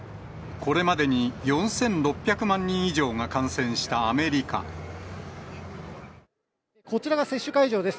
これまでに４６００万人以上こちらが接種会場です。